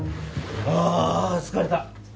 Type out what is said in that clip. ああ疲れた！